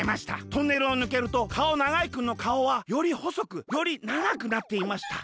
トンネルをぬけるとかおながいくんのかおはよりほそくよりながくなっていました。